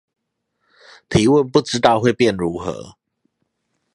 提問不知道會變如何